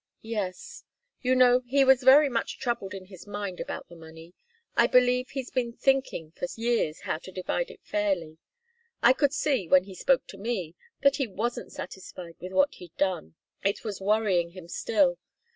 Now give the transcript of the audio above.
"Yes. You know he was very much troubled in his mind about the money. I believe he's been thinking for years how to divide it fairly. I could see, when he spoke to me, that he wasn't satisfied with what he'd done. It was worrying him still.